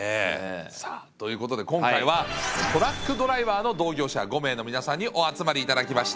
さあということで今回はトラックドライバーの同業者５名の皆さんにお集まり頂きました。